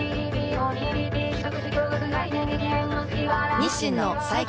日清の最強